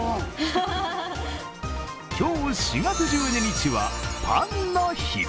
今日、４月１２日はパンの日。